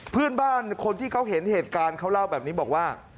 เพื่อนบ้านคนที่เขาเห็นเหตุการณ์เขาเล่าแบบนี้บอกว่า